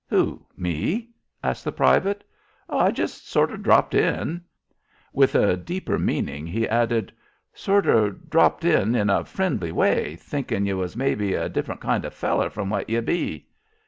"Who me?" asked the private. "Oh, I just sorter dropped in." With a deeper meaning he added: "Sorter dropped in in a friendly way, thinkin' ye was mebbe a different kind of a feller from what ye be."